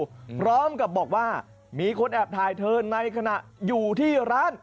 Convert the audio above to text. พร้อมกับบอกว่ามีคนแอบถ่ายเธอในขณะอยู่ที่ร้าน